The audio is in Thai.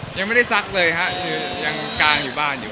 ยังไม่ได้ซักเลยฮะคือยังกางอยู่บ้านอยู่